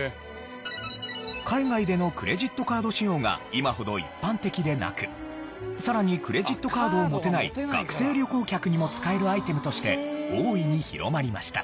海外でのクレジットカード使用が今ほど一般的でなくさらにクレジットカードを持てない学生旅行客にも使えるアイテムとして大いに広まりました。